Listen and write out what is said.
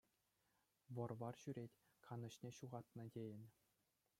Вӑр-вар ҫӳрет, канӑҫне ҫухатнӑ тейӗн.